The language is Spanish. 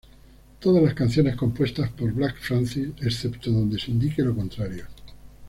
Todas las canciones compuestas por Black Francis, excepto donde se indique lo contrario.